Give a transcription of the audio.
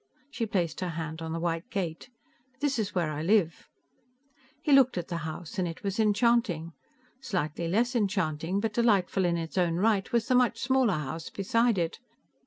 She placed her hand on the white gate. "This is where I live." He looked at the house, and it was enchanting. Slightly less enchanting, but delightful in its own right, was the much smaller house beside it.